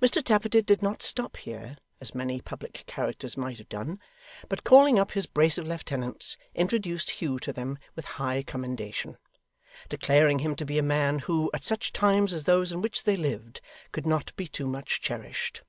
Mr Tappertit did not stop here, as many public characters might have done, but calling up his brace of lieutenants, introduced Hugh to them with high commendation; declaring him to be a man who, at such times as those in which they lived, could not be too much cherished.